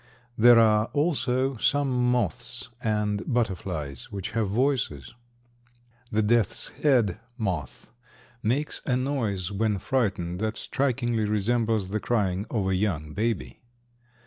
There are also some moths and butterflies which have voices. The "death's head" moth makes a noise when frightened that strikingly resembles the crying of a young baby.